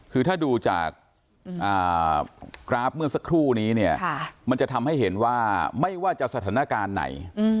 คือถ้าดูจากกราฟเมื่อสักครู่นี้เนี่ยมันจะทำให้เห็นว่าไม่ว่าจะสถานการณ์ไหน